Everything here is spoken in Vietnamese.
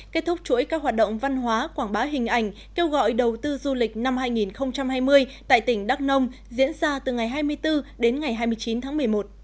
kết thúc chuỗi các hoạt động văn hóa quảng bá hình ảnh kêu gọi đầu tư du lịch năm hai nghìn hai mươi tại tỉnh đắk nông diễn ra từ ngày hai mươi bốn đến ngày hai mươi chín tháng một mươi một